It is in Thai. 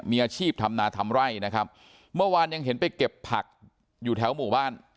มีอาชีพทำนาทำไร่นะครับเมื่อวานยังเห็นไปเก็บผักอยู่แถวหมู่บ้าน